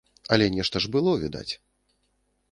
Але нешта ж было, відаць.